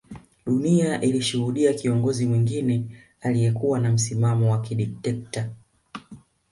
Dunia ilishuhudia kiongozi mwingine aliyekuwa na msimamo wa kidekteta